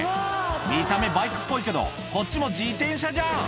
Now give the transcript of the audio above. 見た目、バイクっぽいけど、こっちも自転車じゃん。